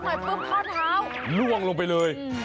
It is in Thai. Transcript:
มันให้ล่วงลงไปเลย